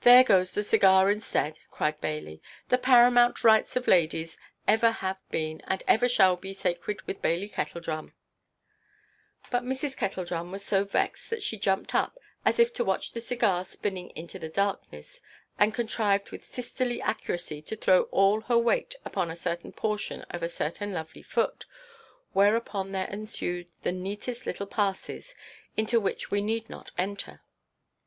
"There goes the cigar instead," cried Bailey; "the paramount rights of ladies ever have been, and ever shall be, sacred with Bailey Kettledrum." But Mrs. Kettledrum was so vexed that she jumped up, as if to watch the cigar spinning into the darkness, and contrived with sisterly accuracy to throw all her weight upon a certain portion of a certain lovely foot, whereupon there ensued the neatest little passes, into which we need not enter.